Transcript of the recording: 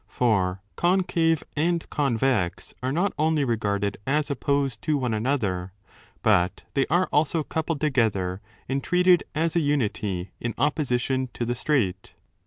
For concave and convex 35 are not only regarded as opposed to one another, but they 271° are also coupled together and treated as a unity in oppo sition to the straight.